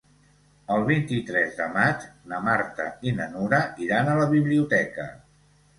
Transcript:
El vint-i-tres de maig na Marta i na Nura iran a la biblioteca.